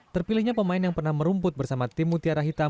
terpilihnya pemain yang pernah merumput bersama tim mutiara hitam